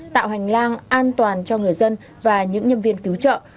tạo hành lang an toàn cho người dân và những nhân viên cứu trợ